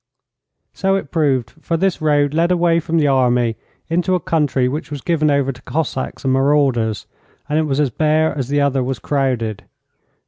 So it proved, for this road led away from the army into a country which was given over to Cossacks and marauders, and it was as bare as the other was crowded.